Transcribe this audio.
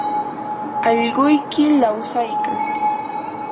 allquyki lawsaykan.